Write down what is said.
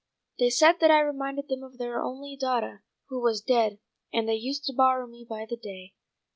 "They said that I reminded them of their only daughtah, who was dead, and they used to borrow me by the day.